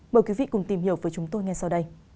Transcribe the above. mời quý vị cùng tìm hiểu với chúng tôi ngay sau đây